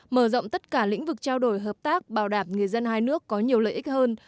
mở rộng tất cả lĩnh vực trao đổi hợp tác bảo đảm người dân hai nước có nhiều lợi ích hơn